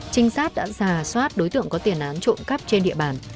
trinh sát đã giả soát đối tượng có tiền án trộm cắp trên địa bàn